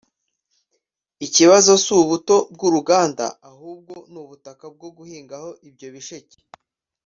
“Ikibazo si ubuto bw’uruganda ahubwo ni ubutaka bwo guhingaho ibyo bisheke